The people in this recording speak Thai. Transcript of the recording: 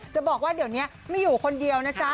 จะบอกว่าเดี๋ยวนี้ไม่อยู่คนเดียวนะจ๊ะ